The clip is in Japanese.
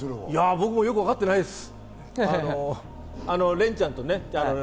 僕もよくわかってないです。